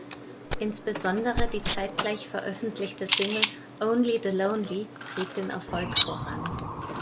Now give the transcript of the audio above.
Insbesondere die zeitgleich veröffentlichte Single "Only the Lonely" trieb den Erfolg voran.